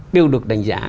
đều được đánh giá